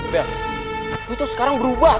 bel lo itu sekarang berubah tau gak